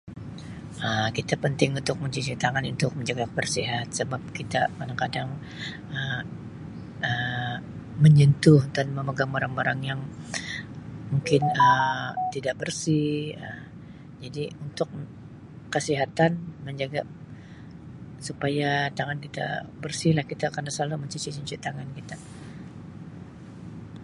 Um Kita penting untuk mencuci tangan untuk menjaga kebersihan sabab kita kadang-kadang Um menyentuh dan memegang barang-barang yang mungkin Um tidak bersih Um jadi untuk kesihatan menjaga supaya tangan kita bersih lah kita kena selalu mencuci-cuci tangan kita